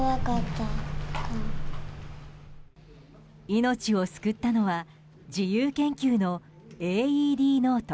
命を救ったのは自由研究のＡＥＤノート。